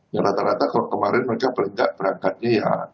ya rata rata kalau kemarin mereka berangkatnya ya